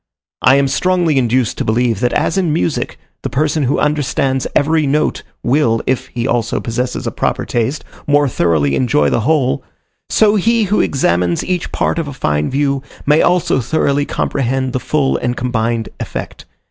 I am strongly induced to believe that as in music, the person who understands every note will, if he also possesses a proper taste, more thoroughly enjoy the whole, so he who examines each part of a fine view, may also thoroughly comprehend the full and combined effect.